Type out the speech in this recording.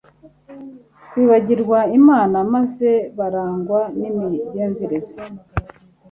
kwibagirwa Imana, maze barangwa n’imigenzereze